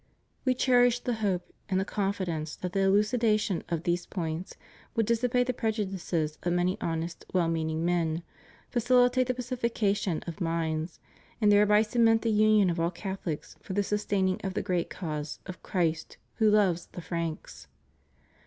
... We cherish the hope and the confidence that the elucidation of these points will dissipate the prejudices of many honest, well meaning men, facihtate the pacification of minds, and thereby cement the union of all Catholics for the sustaining of the great cause of Christ, who loves the Franks.